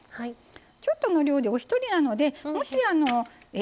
ちょっとの量でお一人なのでもしえ